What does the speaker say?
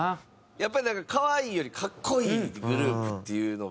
やっぱり可愛いより格好いいグループっていうのが。